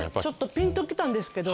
ピンと来たんですけど。